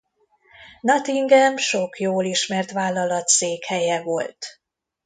Nottingham sok jól ismert vállalat székhelye volt.